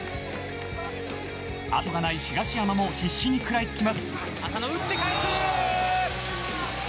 後がない東山も必死に食らいつきます。